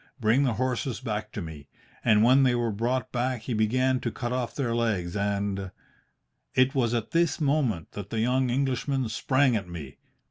Bring the horses back to me. And when they were brought back he began to cut off their legs and ' "It was at this moment that the young Englishman sprang at me.